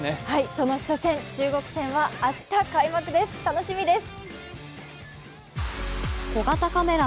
その初戦、中国戦は明日開幕です、楽しみです。